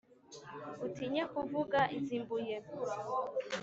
Utinye kuvuga iz' i Mbuye,